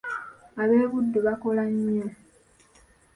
Ab’e Buddu bakola nnyo.